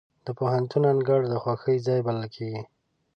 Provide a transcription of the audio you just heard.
د پوهنتون انګړ د خوښیو ځای بلل کېږي.